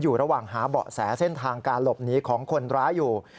ระหว่างหาเบาะแสเส้นทางการหลบหนีของคนร้ายอยู่